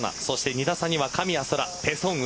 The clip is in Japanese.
２打差には神谷そらとペ・ソンウ。